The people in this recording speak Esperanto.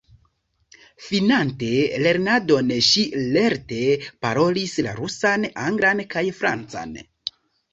Finante lernadon ŝi lerte parolis la rusan, anglan kaj francan.